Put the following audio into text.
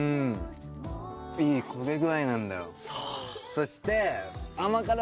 そして。